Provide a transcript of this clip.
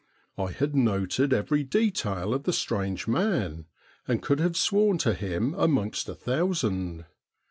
I had noted every detail of the strange man and could have sworn to him amongst a thousand.